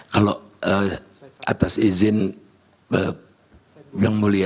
kalau atas izin yang mulia